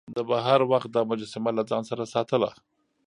ده به هر وخت دا مجسمه له ځان سره ساتله.